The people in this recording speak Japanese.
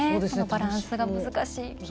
バランスが難しい。